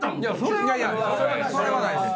それはないです。